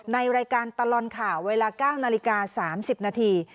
ในรายการตลอดข่าวเวลา๙นาฬิกา๓๐นาที